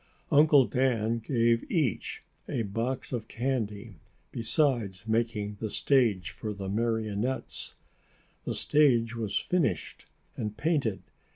Uncle Dan gave each a box of candy, besides making the stage for the marionettes. The stage was finished and painted.